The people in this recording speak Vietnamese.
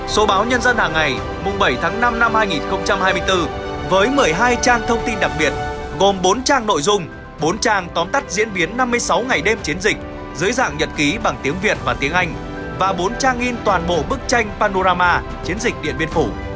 số báo nhân dân hàng ngày mùng bảy tháng năm năm hai nghìn hai mươi bốn với một mươi hai trang thông tin đặc biệt gồm bốn trang nội dung bốn trang tóm tắt diễn biến năm mươi sáu ngày đêm chiến dịch dưới dạng nhật ký bằng tiếng việt và tiếng anh và bốn trang in toàn bộ bức tranh panorama chiến dịch điện biên phủ